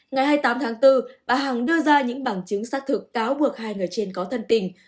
ngày hai mươi tám tháng bốn bà hằng đưa ra những bằng chứng xác thực cáo buộc hai người trên có thân tình